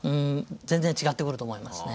全然違ってくると思いますね。